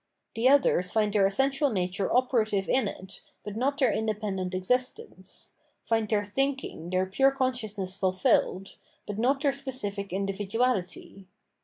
The others find their essential nature operative in it, but not their independent existence find their thinking, their pure consciousness fulfilled, but not their specific individuality.